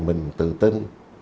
mình tự tin